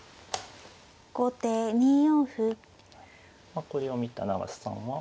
まあこれを見た永瀬さんは。